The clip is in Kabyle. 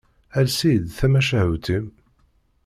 Ales-iyi-d tamacahut-im.